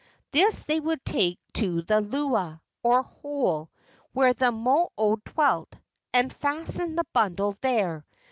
This they would take to the lua, or hole, where the mo o dwelt, and fasten the bundle there.